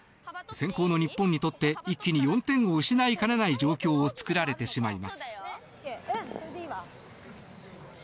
先攻の日本にとって一気に４点を失いかねない状況を作られてしまいます。